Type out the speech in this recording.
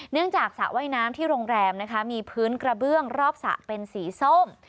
จากสระว่ายน้ำที่โรงแรมนะคะมีพื้นกระเบื้องรอบสระเป็นสีส้ม